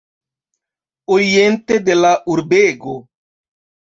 Oriente de la urbego.